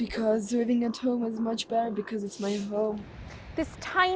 karena hidup di rumah ini lebih baik karena ini adalah rumah saya